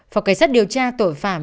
phòng cảnh sát điều tra tội phạm